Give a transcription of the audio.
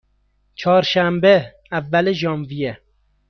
چهارشنبه، اول ژانویه